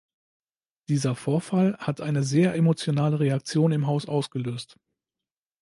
Dieser Vorfall hat eine sehr emotionale Reaktion im Haus ausgelöst.